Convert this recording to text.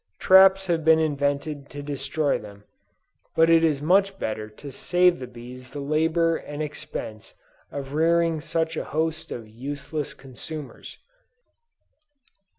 Traps have been invented to destroy them, but it is much better to save the bees the labor and expense of rearing such a host of useless consumers.